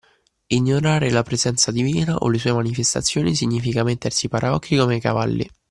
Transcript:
Ignorare la presenza divina o le sue manifestazioni significa mettersi i paraocchi come ai cavalli.